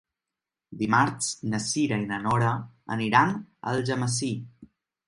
Dimarts na Cira i na Nora aniran a Algemesí.